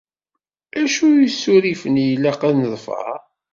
Acu n isurifen i ilaq ad neḍfer?